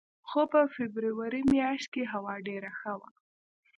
خو په فبروري میاشت کې هوا ډېره ښه وه.